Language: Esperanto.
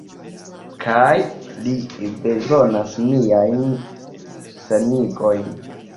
Kaj li bezonas miajn sanigojn.